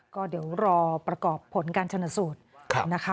ก็เดี๋ยวรอประกอบผลการชนสูตรนะคะ